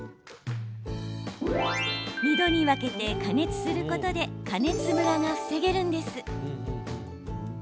２度に分けて加熱することで加熱ムラが防げるんです。